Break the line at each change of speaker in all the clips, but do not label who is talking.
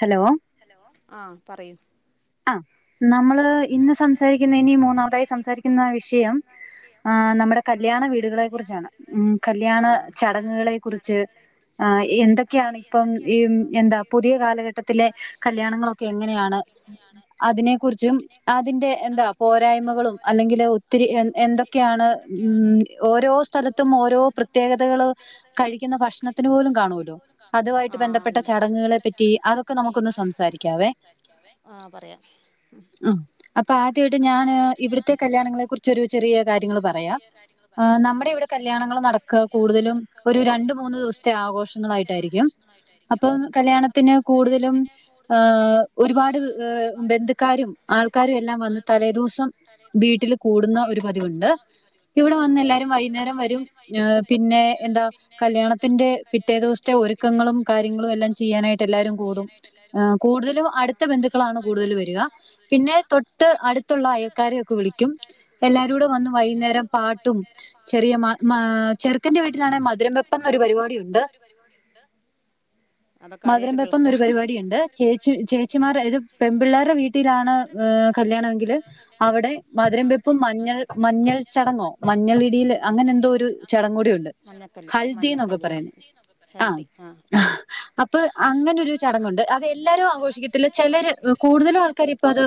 Hello ആ നമ്മള് ഇന്ന് സംസാരിക്കുന്ന ഇനി മൂന്നാമതായി സംസാരിക്കുന്ന വിഷയം ആ നമ്മുടെ കല്യാണ വീടുകളെ കുറിച്ചാണ് ഉം കല്യാണ ചടങ്ങുകളെ കുറിച്ച് ആ എന്തൊക്കെയാണ് ഇപ്പം ഈ എന്താ പുതിയ- കാലഘട്ടത്തിലെ- കല്യാണങ്ങളൊക്കെ എങ്ങനെയാണ് അതിനെ കുറിച്ചും അതിന്റെ എന്താ പോരായ്മകളും അല്ലെങ്കില് ഒത്തിരി എ എന്തൊക്കെയാണ് ഉം ഓരോ സ്ഥലത്തും ഓരോ പ്രത്യേകതകള് കഴിക്കുന്ന ഭക്ഷണത്തിന് പോലും കാണുല്ലോ അതുവാ യിട്ട് ബന്ധപ്പെട്ട ചടങ്ങുകളെ പ [unintelligible] ഒക്കെ നമുക്കൊന്ന് സംസാരിക്കാവേ ഉം അപ്പൊ ആദ്യമായിട്ട് ഞാൻ ഇവിടുത്തെ കല്യാണങ്ങളെ കുറച്ച് ഒരു ചെറിയ കാര്യങ്ങൾ പറയാ നമ്മുടെ ഇവിടെ കല്യാണങ്ങൾ നടക്കുക കൂടുതലും ഒരു രണ്ട് മൂന്ന് ദിവസത്തെ ആഘോഷങ്ങളായിട്ടായിരിക്കും അപ്പോ കല്യാണം- പിന്നെ- കൂടുതലും ഏഹ് ഒരുപാട് ബന്ധുക്കാരും ആൾക്കാരും എല്ലാം വന്ന് തലേദിവസം വീട്ടിൽ കൂടുന്ന ഒരു പതിവുണ്ട് ഇവിടെ വന്ന് എല്ലാവരും വൈകുന്നേരം വരും ് പിന്നെ എന്താ കല്യാണത്തിന്റെ പിറ്റേ ദിവസത്തെ ഒരുക്കങ്ങളും കാര്യങ്ങളും എല്ലാം ചെയ്യാനായിട്ട്- എല്ലാരും കൂടും-
എല്ലാരും കൂടും ഹ് കൂടുതലും അടുത്ത ബന്ധുക്കളാണ് കൂടുതല് വരിക പിന്നെ തൊട്ട് അടുത്തുള്ള അയൽക്കാരൊക്കെ വിളിക്കും എല്ലാരുംടെ വന്ന് വൈകുന്നേരം പാട്ടും ചെറിയ ആഹ് ചെറുക്കന്റെ വീട്ടില മധുരം വെപ്പ് എന്നൊരു പരിപാടി ഉണ്ട്-
മധരം വെപ്പൊന്നൊരു പരിപാടി- ചേച്ചി ചേച്ചിമാർ ഇത് പെമ്പിപിള്ളേരുടെ വീട്ടിലാണ് കല്യാണമെങ്കില് അവടെ മധുരം വെപ്പും മഞ്ഞൾ മഞ്ഞൾ ചടങ്ങോ മഞ്ഞൾ ഇടിൽ അങ്ങനെ ന്തോ ഒരു ചടങ്ങൂടി ഉണ്ട് ഹൽദി ന്നൊക്കെ പറയുന്ന ആ ഹ് അഹ്ഹ് അപ്പ്- അങ്ങനൊരു ചടങ്ങുണ്ട്- അത് എല്ലാരും ആഘോഷിക്കത്തില്ല ചിലര് കൂടുതലും ആൾക്കാര് ഇപ്പ അത്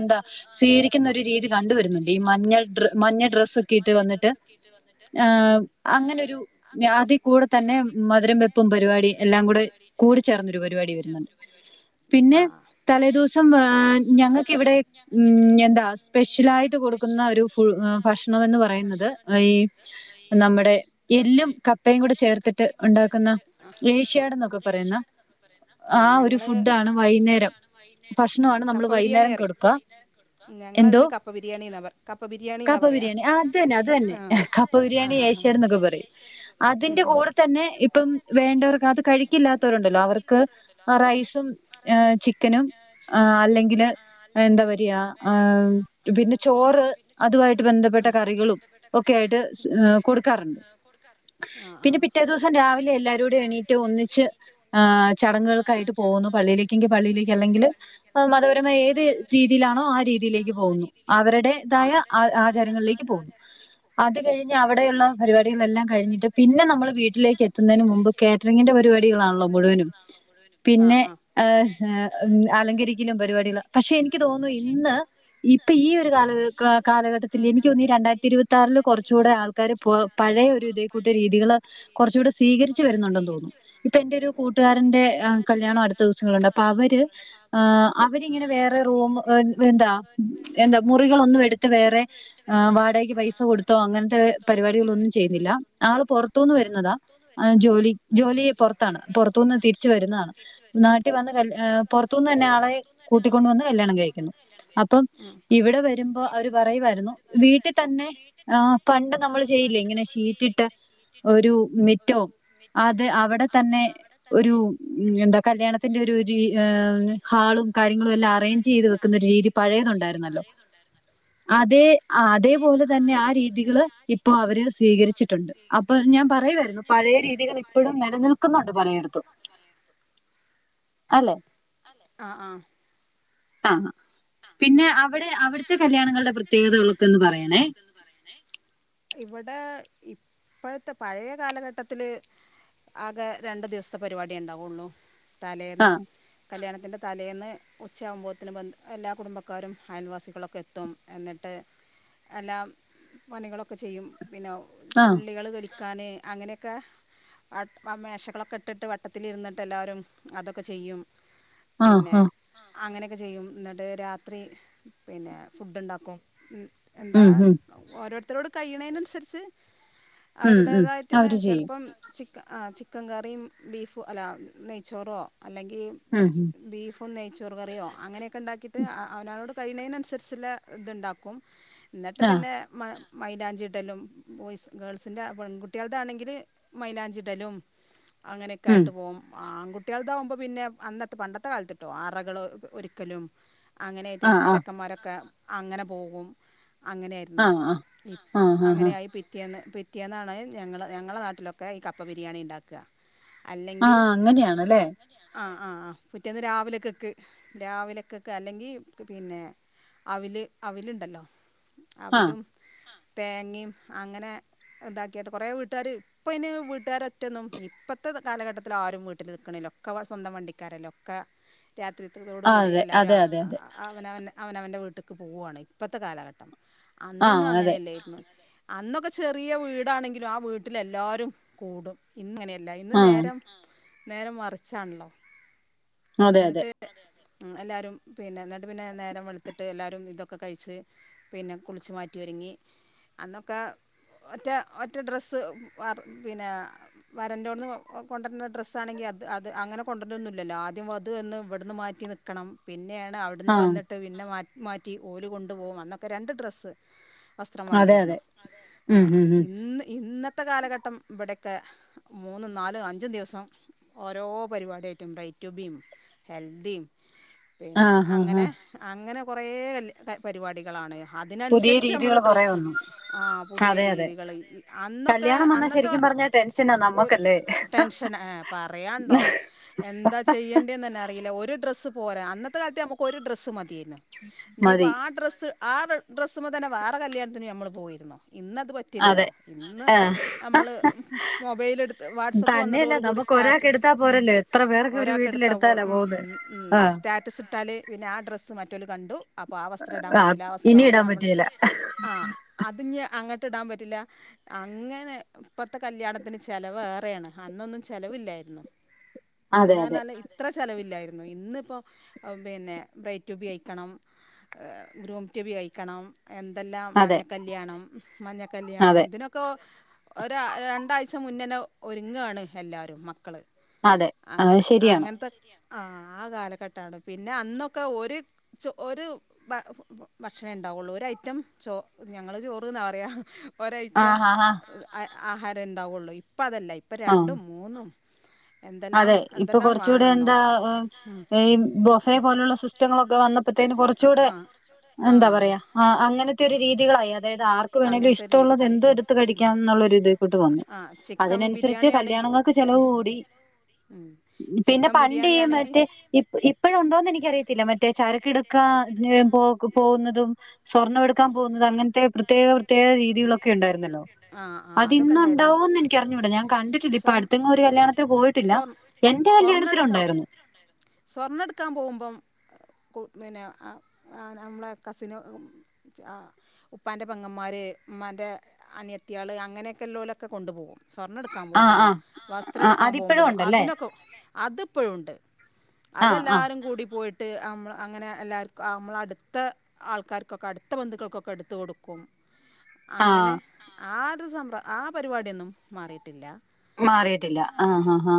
എന്താ സ്വീകരിക്കുന്ന ഒരു രീതി കണ്ടുവരുന്നുണ്ട് ഈ മഞ്ഞൾ മഞ്ഞ ഡ്രസ്സ് ഒക്കെ ഇട്ട് വന്നിട്ട് അങ്ങനൊരു അതികൂടെ തന്നെ മധുരം വെപ്പും പരിപാടീം എല്ലാം കൂടെ- കൂടി ചേർന്നൊരു പരിപാടി ആയ്ര്ന്ന് പിന്നെ തലേ ദിവസം ഏ ഞങ്ങക്കിവിടെ ഉം എന്താ സ്പെഷ്യലായിട്ട് കൊടുക്കുന്ന ഒരു ഫു ഭക്ഷണം എന്ന് പറയുന്നത് ഈ നമ്മുടെ എല്ലും കപ്പയും കൂടെ ചേർത്തിട്ട് ഒണ്ടാക്കുന്ന ഏഷ്യാട് എന്നൊക്കെ പറയുന്ന ആ ഒരു ഫുഡാണ് വൈന്നേരം ഭക്ഷണമാണ് നമ്മൾ വൈന്നേരം കൊടുക്കാ എന്തോ കപ്പ ബിരിയാണി അത് തന്നെ അത് തന്നെ കപ്പ ബിരിയാണി ഏഷ്യാഡ് എന്നൊക്കെ പറയും അതിന്റെ കൂടെ തന്നെ ഇപ്പം വേണ്ടവർക്ക് അത് കഴി ക്കില്ലാത്തവരുണ്ടല്ലോ അവർക്ക് റൈസും ചിക്കനും ആ അല്ലെങ്കിൽ എന്താ പരിയാ പിന്നെ ചോറ് അതുവായിട്ട് ബന്ധപ്പെട്ട കറികളും ഒക്കെ ആയിട്ട് കൊടുക്കാറുണ്ട് പിന്നെ പിറ്റേ ദിവസം രാവിലെ എല്ലാവരൂടെ എണീറ്റ് ഒന്നി ച്ച് ആ ചർ ങ്ങൾക്കായിട്ട് പോകുന്നു പള്ളിയിലേക്കെങ്കി പള്ളിയിലേക്ക് അല്ലെങ്കിൽ ആ മതപരമായ ഏത് രീതിയിലാണോ ആ രീതിയിലേക്ക് പോകുന്നു അവരുടേതായ ആ ആചാരങ്ങളിലേക്ക് പോകുന്നു അത് കഴിഞ്ഞ് അവിടെയുള്ള പരിപാടികളെല്ലാം കഴിഞ്ഞിട്ട് പിന്നെ നമ്മൾ വീട്ടിലേക്ക് എത്തുന്നതിന് മുമ്പ് കാറ്ററിങ്ങിന്റെ പരിവാ ളാണല്ലോ മുഴുവനും പിന്നെ ഏ ഏഹ് ഏഹ് അലങ്കരിക്കലും പരിപാടികൾ പക്ഷെ എനിക്ക് തോന്നുന്നു ഇന്ന് ഇപ്പൊ ഈ ഒരു കാല കാ കാലഘട്ടത്തിൽ എനിക്ക് തോന്നുന്നു ഈ രണ്ടായിരത്തി ഇരുപത്താറില് കൊറച്ചൂടെ ആൾക്കാര് പഴയ ഒരു ഇതേക്കൂട്ട് രീതികള് കൊറച്ചൂടെ സ്വീകരിച്ചു വരുന്നുണ്ടെന്ന് തോന്നു. ൻ്റൊരു കൂട്ടുകാ ൻ്റെ ആഹ് കല്യാണം അടുത്ത ദിവസങ്ങളുണ്ട് അപ്പൊ അവര് ആ അവരിങ്ങനെ വേറെ റൂമ് വേ വേണ്ട എന്താ മുറികളൊന്നും എടുത്ത് വേറെ വാടേക്ക് പൈസ കൊടുത്തോ അങ്ങനത്തെ പരിപാടികളൊന്നും ചെയ്യുന്നില്ല ആള് പുറത്തൂന്ന് വരുന്നതാ ജോലി ജോലി. റത്താണ് പുറത്തൂന്ന് തിരിച്ച്. നാട്ടിൽ വന്ന് കല്യാ പുറത്തുന്ന് തന്നെ ആളെ കൂട്ടിക്കൊണ്ട് വന്ന് കല്യാണം കഴിക്കുന്നു. അപ്പം ഇവിടെ വരുമ്പോ അവര് പറയുവായിരുന്നു വീട്ടിൽ തന്നെ ആ പണ്ട് നമ്മൾ ചെയ്യില്ലേ ഇങ്ങനെ ഷീറ്റിട്ട് ഒരു മിറ്റവും അത് അവിടെ. നേ ഒരു ഉം എന്താ കല്യാണത്തിന്റെ ഒരു രീ ആ ഹാളും കാര്യങ്ങളും എല്ലാ അറേഞ്ച് ചെയ്ത് വെക്കുന്ന ഒരു രീതി പഴയതുണ്ടായിരുന്നല്ലോ അതേ അതേപോലെ തന്നെ ആ രീതികള് ഇപ്പൊ അവര് സ്വീകരിച്ചിട്ടുണ്ട് അപ്പൊ ഞാൻ പറയുമായിരുന്നു പഴയ രീതികൾ ഇപ്പോഴും നിലനിൽ. പലയെടുത്തു
ആഹ് ആഹ്
പിന്നെ അവിടെ അവിടുത്തെ കല്യാണങ്ങളുടെ പ്രത്യേകതകളൊക്കെയൊന്ന് പറയണേ
ഇപ്പോഴത്തെ പഴയ കാലഘട്ടത്തില് ആകെ രണ്ടു ദിവസത്തെ പരിപാടി ഉണ്ടാവുള്ളു തലേന്ന് കല്യാണത്തിൻ്റെ തലേന്ന് ഉച്ചയാമ്പോത്തിന് ബന്ന്. എല്ലാ കുടുംബക്കാരും അയൽവാസികളൊക്കെ എത്തും എന്നിട്ട് എല്ലാം പണികളൊക്കെ ചെയ്യും. പിന്നെ ഉള്ളികള് തൊലി ക്കാൻ അങ്ങനെയൊക്ക മേശകളൊക്കെ ഇട്ടിട്ട് വട്ടത്തിലിരുന്നിട്ട് എല്ലാവരും അതൊക്കെ ചെയ്യും.
ആഹ് ആഹ്
അങ്ങനെയൊക്കെ ചെയ്യും എന്ന രാത്രി പിന്നെ ഫുഡ് ഉണ്ടാക്കും എന്താ ഓരോര് ഇത്രോട് കൈയ്യണേനനുസരിച്ച്. അവരുടേതായിട്ടിള്ള ചെലപ്പം ചിക്ക ആ ചിക്കൻ കറിയും ബീഫും അല്ല നെയ്ച്ചോറോ അല്ലങ്കി ബീഫ് പ്പൊ നെയ്ചോറ് കറിയോ അങ്ങനെയൊക്കെ ഉണ്ടാക്കി. അത് അ അവനനോട് കഴിയുന്നതിനനുസച്ചുള്ള ഇത് ഉണ്ടാക്കും. എന്നിട്ട് പിന്നെ മ മൈലാഞ്ചിടലും ബോയ്സ് ഗേൾസിൻ്റെ പെൺകുട്ടികളുടെ ആണെങ്കില് മൈലാഞ്ചിടലും അങ്ങനെയൊക്കെ ആയിട്ട് പോകും ആൺകുട്ടികൾതാവുമ്പോ പിന്നെ അന്നത്തെ പണ്ടത്തെ കാലത്ത്ട്ടോ അറകൾ ഒരുക്കലും. അങ്ങനെയായിട്ട് ചെക്കന്മാരൊക്കെ അങ്ങനെ പോകും അങ്ങനെയായിരുന്നു അങ്ങനെയായി പിറ്റേന്ന് പിറ്റേന്നാണ് ഞങ്ങൾ ഞങ്ങളുടെ നാട്ടിലൊക്കെ ഈ കപ്പ ബിരിയാണി ഇണ്ടാക്കുക
ആ അങ്ങനെയാണല്ലേ?
ആ പിറ്റേന്ന് രാവിലെക്ക് അല്ലെങ്കിൽ- പിന്നെ അവില് അവലുണ്ടല്ലോ അവിലും തേങ്ങയും അങ്ങനെ ഇതാക്കിയിട്ട് കുറേ വീട്ടുകാർ ഇപ്പ ഇന് വീട്ടുകാര ഒറ്റൊന്നും ഇപ്പോഴത്തെ കാലഘട്ടത്തില് ആരും വീട്ടിൽ നിൽക്കണില്ല ഒക്കെ സ്വന്തം [unintelligible] രാത്രിത്തത്തോടെ കൂടി എല്ലാവരും അവനവനെ അവനവൻ്റെ വീട്ടിലേക്ക് പോവുകയാണ് ഇപ്പോഴത്തെ കാല ഘട്ടം അന്നൊന്നും അങ്ങനെയല്ലായിരുന്നു അന്നൊക്കെ ചെറിയ വീടാണെങ്കിലും ആ വീട്ടില് എല്ലാവരും കൂടും ഇന്ന് അങ്ങനെയല്ല ഇല്ല ഇന്ന് നേരം നേരെ മറിച്ചാണല്ലോ എന്നിട്ട് എല്ലാവരും പിന്നെ എന്നിട്ട് പിന്നെ നേരം വളുത്തിട്ട് എല്ലാവരും ഇതൊക്കെ കഴിച്ച് പിന്നെ കുളിച്ച് മാറ്റി ഒരുങ്ങി അന്നൊക്കെ ഒറ്റ ഒറ്റ ഡ്രസ്സ് വ പിന്നെ വരന്റടുന്നു കൊണ്ടുവ വരുന്ന ഡ്രസ്സ ആണെങ്കിൽ അത് അത് അങ്ങനെ കൊണ്ടുവരൊന്നില്ലല്ലോ ആദ്യം വധു എന്ന് ഇവിടുന്ന് മാറ്റി നിൽക്കണം പിന്നെയാണ് അവിടുന്ന് വന്നിട്ട് പിന്നെ മാറ്റി മാറ്റി ഓന് കൊണ്ടു പോകും അന്നൊക്കെ രണ്ട് ഡ്രസ്സ് വസ്ത്രം വേണ്ടിയിരുന്നു ഇന്നത്തെ കാലഘട്ടം ഇവിടെ ഒക്കെ മൂന്നും നാലും അഞ്ചും ദിവസം ഓരോ പരിപാടായിട്ടും ബ്രൈട്റ്റുബിയും ഹെൽദിയും പിന്നെ അങ്ങനെ അങ്ങനെ കുറേ പരിപാടികളാണ് അതിനനുസരിച്ച് നമ്മള് ഡ്രസ്സും ആ് പുതിയ രീതികൾ അന്നത്തെ ടെൻഷൻ പറയണ്ടോ എന്താ ചെയ്യേണ്ടന്ന് തന്നെ അറിയില്ല ഒരു ഡ്രസ് പോരാ അന്ന- അന്നത്തെ കാലത്ത് നമുക്ക് ഒരു ഡ്രസ് മതി ഇനിയിപ്പോ ആ ഡ്രസ്സ് ആ ഡ്രസ്സുമ തന്നെ വേറെ കല്യാണത്തിന് നമ്മൾ പോയിരുന്നു ഇന്ന് അത് പറ്റില്ലല്ലോ ഇന്ന് നമ്മള് മൊബൈല് എടുത്ത് വാട്സാപ്പ് വന്നതോടുകൂടി സ്റ്റാറ്റസ് ഉ ഒരാൾക്ക് എടുത്തപ്പോ ഉം ഉം സ്റ്റാ- ഇട്ടാല് പിന്നെ ആ ഡ്രസ്സ് മറ്റൊരു കണ്ടു അപ്പൊ ആ വസ്ത്രം ഇടാൻ പറ്റൂല്ല ആ വസ്ത്രം പോലെ നമ്മള് ആ അതി അങ്ങ- ഇടാൻ പറ്റില്ല അങ്ങനെ ഇപ്പത്തെ കല്യാണത്തിന് ചെലവ് ഏറെയാണ് അന്നൊന്നും ചെലവില്ലായിരുന്നു അന്ന് ആണെങ്കിൽ ഇത്ര ചെലവില്ലായിരുന്നു ഇന്നിപ്പോ- പിന്നെ ബ്രൈറ്റ് ടൂബി കഴിക്കണം ഗ്രൂം ടൂബി കഴിക്കണം എന്തെല്ലാം മഞ്ഞക്കല്യാണം മഞ്ഞക്കല്ല്യാണം ഇതിനൊക്കെ ഒര് രണ്ടാഴ് ഉച്ച മുന്നേനെ ഒരുങ്ങയാണ് എല്ലാവരും മക്കള് അങ്ങനെ അങ്ങനത്തെ ആ ആ കാലഘട്ടം ട്ടാണ് പിന്നെ അന്നൊക്കെ ഒരു ചാ ഒരു ഭക്ഷണേ ഉണ്ടാവുള്ളൂ ഒരു ഐറ്റം ചോ ഞങ്ങൾ ചോറ്ന്നാ പറയുക ഒരൈയിറ്റം ആഹാരം ഉണ്ടാവുള്ളൂ അപ്പം അതല്ല ഇപ്പം രണ്ടും മൂന്നും
അതെ ഇപ്പൊ കുറച്ചുടെ എന്താ ആ എയിം ബൊഫെ പോലുള്ള സിസ്റ്റങ്ങളൊക്കെ വന്നപ്പോത്തേന് കുറച്ചുകൂടെ എന്താ പറയാ ആ അങ്ങനത്തെ ഒരു രീതികളായി അതായത് ആർക്ക് വേണമെങ്കിലും ഇഷ്ടമുള്ളത് എന്ത എടുത്ത് കഴിക്കാം എന്നുള്ള ഇതക്കോട്ട് വന്നു അതിനനുസരിച്ച് കല്യാണങ്ങൾക്ക് ചെലവ് കൂടി പിന്നെ പണ്ടഈയം മറ്റേ ഇപ്പ ഇ എനിക്കറിയത്തില്ല മറ്റേ ചരക്കെടുക്കാ പോകുന്നതും സ്വർണ്ണമ എടുക്കാൻ പോകുന്നതും അങ്ങനത്തെ പ്രത്യേക പ്രത്യേക രീതികളൊക്കെ ഉണ്ടായിരുന്നല്ലോ അത് ഇന്നുണ്ടാവുമന്ന് എനിക്ക് അറിഞ്ഞൂടാം ഞാൻ കണ്ടിട്ടില്ല ഇപ്പൊ അടുത്തെങ്ങും ഒരു കല്യാണത്തി പോയിട്ട ത്തില്ല എന്റെ കല്യാണത്തില് ഉണ്ടായിരുന്നു
ക്കാൻ പോകുമ്പം പിന്നെ ആ നമ്മളെ കസിന് ആ ഉപ്പാൻ്റെ പൊങ്ങന്മാർ ഉമ്മാൻ്റെ അനിയത്തിയാൾ അങ്ങനെയൊക്കെല്ലോലൊക്കെ കൊണ്ടുപകും സ്വർണം എടുക്കാൻ പോകുമ്പോളും വസ്ത്രം എടുക്കാൻ പോകുമ്പോളും അതിനൊക്കെ അതിപ്പോഴും ഉണ്ട് അതെല്ലാവര പോയിട്ട് ങ്ങള് അങ്ങനെ എല്ലാവർക്കും ആ അടുത്ത ആൾക്കാർക്കൊക്കെ അടുത്ത ബന്ധുക്കൾക്കൊക്കെ എടുത്തു കൊടുക്കും അങ്ങനെ ആ സംറ ആ പരിപാടിയൊന്നും മാറിയിട്ടില്ല
മാറിയിട്ടില്ല ആ ആ ആ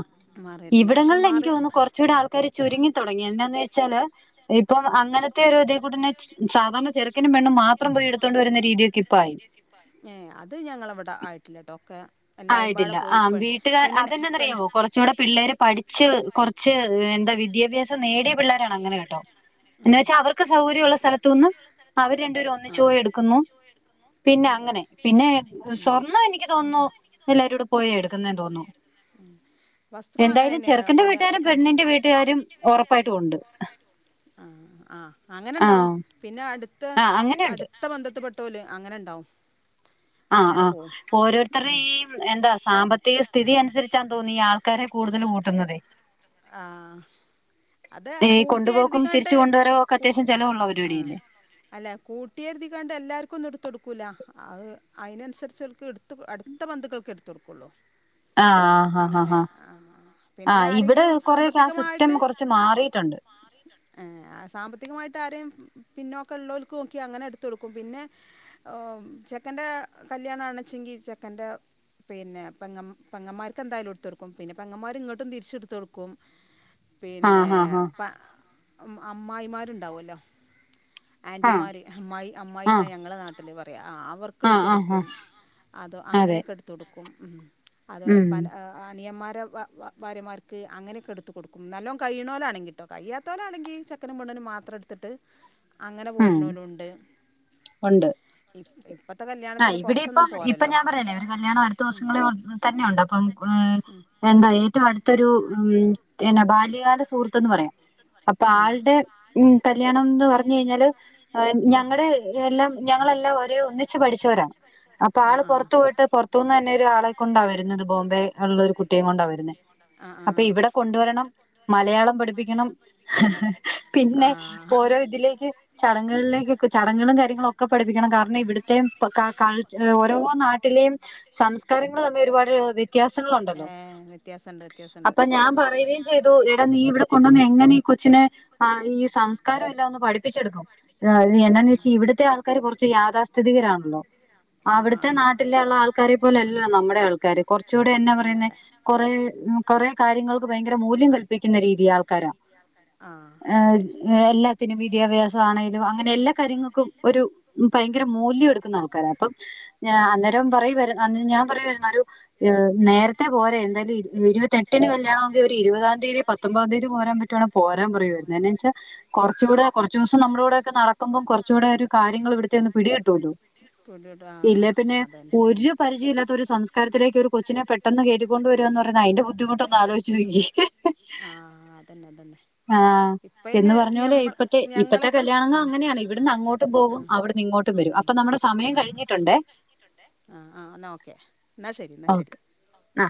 ഇവിടങ്ങളിൽ എനിക്ക് തോന്നുന്നു കുറച്ചുകൂടി ആൾക്കാര് ചുരുങ്ങി തുടങ്ങി ന്ന് വെച്ചാല് ഇപ്പം അങ്ങനത്തെ ഒരു ഇതേ കൂട്ടെ സാധാരണ ചെറുക്കിനും പെണ്ണും മാത്രം പോയി എടുത്തോണ്ട വരുന്ന രീതിക്കെ ഇപ്പായി ആയിട്ടില്ല ആ വീട്ടുകാർ അതന്നെ റിയാവോ കുറച്ചുകൂടെ പിള്ളേര് പഠിച്ച് കുറച്ച് എന്താ വിദ്യാഭ്യാസ നേടിയ പിള്ളോരാണ് അങ്ങനെ കേട്ടോ എന്ന വച്ചാ അവർക്ക് സൗകര്യംള്ള സ്ഥലത്തുനിന്ന് അവര് രണ്ടുപേരും ഒന്നിച്ച് പോയി എടുക്കുന്നു പിന്നെ അങ്ങനെ പിന്നെ സ്വർണം എനിക്ക് തോന്നു നോ എല്ലാരുംടെ പോയ എടുക്കുന്നേ തോന്നുന്നു എന്തായാലും ചെറുക്കന്റെ വീട്ടുകാരും പെണ്ണിന്റെ വീട്ടുകാരും ഉറപ്പായിട്ടു ഉണ്ട് ആ
താ അടുത്ത ബന്ധത്തെ പ്പെെട്ടോല് അങ്ങനെ ഉണ്ടാവും
ആ ആ ഓരോരുത്തരുടെയും ഇ എന്താ സാമ്പത്തിക സ്ഥിതിഅനു അനുസരിച്ചാ തോന്നി ഈ ആൾക്കാരെ കൂടുതൽ കൂട്ടുന്നതെ
ആ അത് കൂട്ടിഎഴ്തിക്കാണ്ട് അല്ല കൂട്ടിഎഴ്തിക്കാണ്ട് എല്ലാർക്കുന്ന് എടുത്തൊടുക്കൂല അത് അതിനനുസരിച്ച് [unintelligible] അടുത് അടുത്ത ബന്ധുക്കൾക്കെ എടുത്ത് കൊടുക്കുള്ളോ
ആ ആ ആഹ ഹ ഹ ആ ഇവിടെ കൊറെക്കെ ആ സിസ്റ്റം കുറച്ച
സാമ്പത്തികമായിട്ട് ആരെയും പിന്നൊക്കെ ഉള്ളവലക്ക് നോക്കി അങ്ങനെ എടുത്ത് കൊടുക്കും പിന്നെ ചെക്കന്റെ കല്യാണണ വെച്ചെങ്കി ചെക്കന്റെ പിന്നെ പെങ്ങ പെങ്ങമാർക്ക് എന്തായാലും എടുത്ത് കൊടുക്കും പിന്നെ പെങ്ങമാര് ഇങ്ങട്ടും തിരിച്ച് എടുത്ത് കൊടുക്കും പിന്നെ പ അമ്മായിമാരും ഉണ്ടാവുല്ലോ ആന്റിമാര് അമ്മായി അമ്മായി എന്ന ഞങ്ങളെ നാട്ടില് പ അ അവർക്ക് എടുത്ത് കൊടുക്കും അത് അങ്ങനെയൊക്കെ എടുത്ത് കൊടുക്കും [unintelligible] അതുപോലെ ഇപാൻ്റെ ഏ അനിയന്മാ രെ ഭ ഭ ഭാര്യമാർക്ക് അങ്ങനെയൊക്കെ എടുത്ത് കൊടുക്കും നല്ലോം കഴിയ്ണോലാണെങ്കി ട്ടോ കഴിയാത്തോലാണെങ്കി ചെക്കനും പെണ്ണിനും മാത്രം ഇട്ത്ത്ട്ട് അങ്ങനെ പോര്ണോലുണ്ട് ഇപ്പ
ആഹ് ഇവിടെ ഇപ്പം ഇപ്പൊ ഞാൻ പറയല്ലേ ഒരു കല്യാണം അടുത്ത ദിവസങ്ങളിൽ തന്നെയുണ്ട് അപ്പം എന്താ ഏറ്റവും അടുത്തൊരു ഉം [unintelligible] ബാല്യകാല സുഹൃത്തെന്ന് പറയാം അപ്പൊ ആളുടെ ഉം കല്യാണംന്ന് പർഞ് കയ്ഞ്ഞാല് ഞങ്ങള് എല്ലാം ഞങ്ങളെല്ലാം ഒരെ ഒന്നി ച്ചോര അപ്പൊ ആള് പൊർത് പോയിട്ട് പൊർത്തുന്നന്നെ ഒരാളെ കൊണ്ടാ വരുന്നത് ബോംബെ ഉള്ള ഒരു കുട്ടിയെ കൊണ്ടാ വരുന്നെ അപ്പൊ ഇവിടെ കൊണ്ടുവരണം മലയാളം പഠിപ്പിക്കണം ഹാ ഹാ പിന്നെ ഓരോ ഇതിലേക്ക് ചടങ്ങുകളിലേക്ക് ചടങ്ങുകളും കാര്യങ്ങളും ഒക്കെ പഠിപ്പിക്കണം കാരണം ഇവിടുത് ത്തെ ക ക കൾ ഓരോ നാട്ടിലെയും സംസ്കാരങ്ങൾ തമ്മിൽ ഒരുപാട് വ്യത്യാസങ്ങളണ്ടല്ലോ അപ്പം ഞാൻ പറയുകയും ചെയ്തു എടാ നീ ഇവിടെ കൊണ്ടൊന്നു എങ്ങ നി കൊച്ചിനെ ആ ഈ സംസ്കാരം എല്ലാം ഒന്ന് പഠപ്പിച്ചെടുക്കും എന്നാന്നെച്ച് ഇവിടത്തെ ആൾക്കാര് കൊർച്ച് യാഥാസ്ഥി തികരാണല്ലോ അവിടുത്തെ നാട്ടിലള്ള ആൾക്കാരെ പോലെല്ല നമ്മുടെ ആൾക്കാര് കൊർചൂടെ എന്നാ പറയുന്നെ കൊറെ കൊറേ കാര്യങ്ങൾക്ക് ഭയങ്കര മൂല്യം കല്പിക്കുന്ന രീതി ആൾക്കാരാ എല്ലാത്തിനും വിദ്യാഭ്യാസ ആണേലും അങ്ങനെ എല്ലാ കാര്യങ്ങൾക്കും ഒരു പൈ മൂല്യം എടുക്കുന്ന ആൾക്കാര അപ്പം ഞാ അന്നേരം പറയുവാര് ഞാൻ പറയുവാരുന്നൊരു നേരത്തെ പോരെ എന്തായാലും ഇരുപത്തെട്ടിന് കല്യാണെങ്കിൽ ഒരു ഇരുപതാം തീയതി പത്തൊമ്പതാം തീയതി പോരാൻ പറ്റ പോരാൻ പറയുവാരുന്നു എന്ന വെച്ചാ കുറച്ചുകൂടെ കുറച്ച് ദിവസം നമ്മുടെ കൂടെ ഒക്കെ നടക്കുമ്പോം കുറച്ച കൂടെ ഒരു കാര്യങ്ങള് ഇവിട് ട്ടെന്ന് പിടികിട്ടോലോ ഇല്ല പിന്നെ ഒരു പരിചയം ഇല്ലാത്ത ഒരു സംസ്കാരത്തിലേക്ക് ഒരു കൊച്ചിനെ പെട്ടെന്ന് കേറ്റിക്കൊണ്ട് വരുവാന്ന് പറയുന്ന അതിന്റെ ബുദ്ധിമുട്ടൊന്ന് ആലോചിച്ച് നോക്കിയേ മാ എന്ന് പറഞ്ഞ പോലേയ് ഇപ്പത്തെ ഇപ്പത്തെ കല്യാണങ്ങൾ അങ്ങനെയാണ് ഇവിടുന്ന് അങ്ങോട്ടും പോകും തിങ്ങോട്ടും വരും അപ്പൊ നമ്മടെ സമയം കഴിഞ്ഞിട്ടുണ്ട് ഓക് ആ